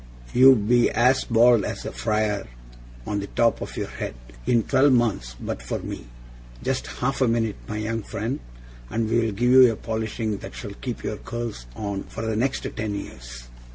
'You'd be as bald as a friar on the top of your head in twelve months, but for me. Just half a minute, my young friend, and we'll give you a polishing that shall keep your curls on for the next ten years!